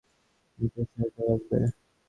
বিনিয়োগ আকর্ষণে অবকাঠামো ও নীতি সহায়তা লাগবে।